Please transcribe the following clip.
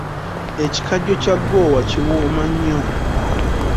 Ekikajjo kya ggoowa kiwooma nnyo.